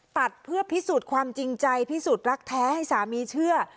ตัดเพื่อพิสูจน์ความจริงใจพิสูจน์รักแท้ให้สามีเชื่อ